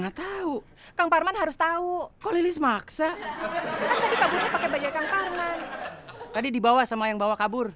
gua merempeng bu fahami